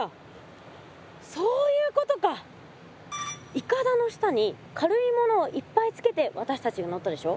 いかだの下に軽いものをいっぱいつけて私たちが乗ったでしょ。